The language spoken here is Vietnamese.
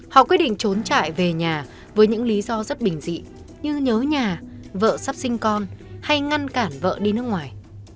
họ quyết định trốn chạy về nhà với những lý do rất bình dị như nhớ nhà vợ sắp sinh con hay ngăn cản vợ đi nước ngoài